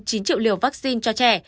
chín triệu liều vaccine cho trẻ